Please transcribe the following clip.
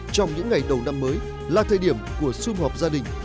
trong những ngày đầu năm mới là thời điểm của xung họp gia đình